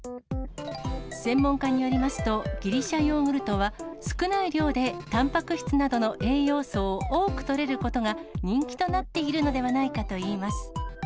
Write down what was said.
専門家によりますと、ギリシャヨーグルトは、少ない量でたんぱく質などの栄養素を多くとれることが、人気となっているのではないかといいます。